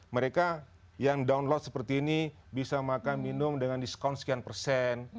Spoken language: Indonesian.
mereka yang download seperti ini bisa makan minum dengan diskon sekian persen